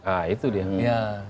ah itu dia